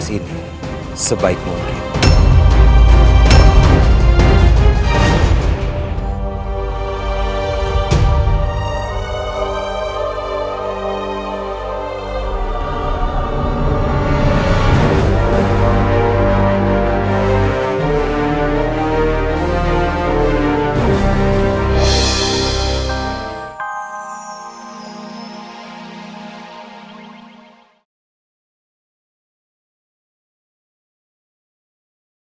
selepas pemerintahan ini